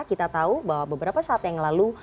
kita tahu bahwa beberapa saat yang lalu